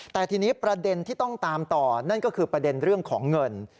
แต่ทีนี้ประเด็นที่ต้องตามต่อนั่นก็คือประเด็นเรื่องของเงิน